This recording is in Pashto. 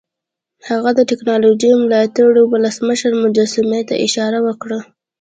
هغه د ټیکنالوژۍ ملاتړي ولسمشر مجسمې ته اشاره وکړه